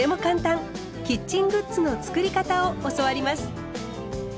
キッチングッズの作り方を教わります。